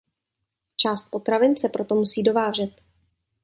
Část potravin se proto musí dovážet.